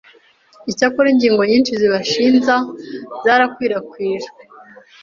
icyakora ingingo nyinshi zibashinja zarakwirakwijwe